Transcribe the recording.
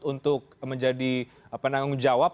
untuk menjadi penanggung jawab